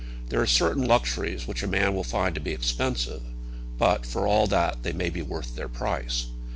There are certain luxuries which a man will find to be expensive; but, for all that, they may be worth their price.